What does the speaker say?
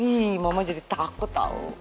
ih mama jadi takut tau